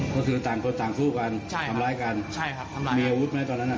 ก็คือต่างสู้กันทำร้ายกันมีอาวุธไหมตอนนั้น